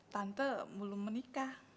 tante belum menikah